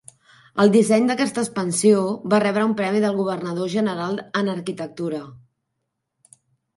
El disseny d'aquesta expansió va rebre un premi del governador general en Arquitectura.